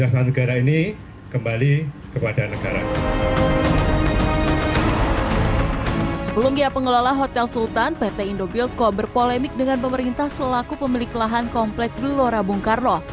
sebelumnya pengelola hotel sultan pt indobuildco berpolemik dengan pemerintah selaku pemilik lahan komplek gelora bung karno